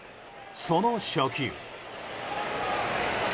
その初球。